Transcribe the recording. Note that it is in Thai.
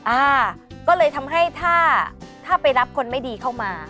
อ่าก็เลยทำให้ถ้าไปรับคนไม่ดีเข้ามา